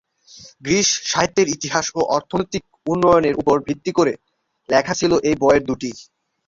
Greece সাহিত্যের ইতিহাস ও অর্থনৈতিক উন্নয়নের ওপর ভিত্তি করে লেখা ছিল এই বই দুটি।